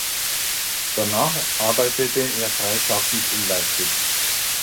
Danach arbeitete er freischaffend in Leipzig.